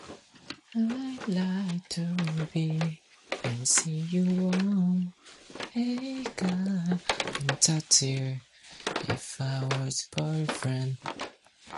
One of these changes was the elimination of the Team Competition.